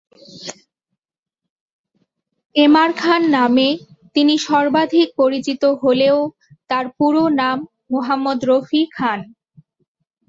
M R Khan নামে তিনি সর্বাধিক পরিচিত হলেও তার পুরো নাম মোহাম্মদ রফি খান।